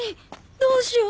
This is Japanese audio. どうしよう！